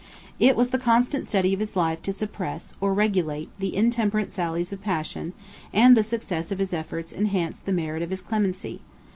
It was the constant study of his life to suppress, or regulate, the intemperate sallies of passion and the success of his efforts enhanced the merit of his clemency.